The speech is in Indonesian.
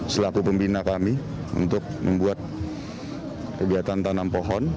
selaku pembina kami untuk membuat kegiatan tanam pohon